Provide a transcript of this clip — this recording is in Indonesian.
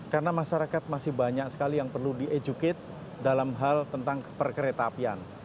karena masyarakat masih banyak sekali yang perlu diedukat dalam hal tentang perkereta apian